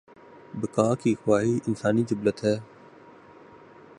بقا کی خواہش انسانی جبلت ہے۔